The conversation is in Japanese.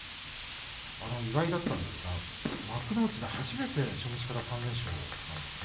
意外だったんですが幕内で初めて初日から３連勝なんですね。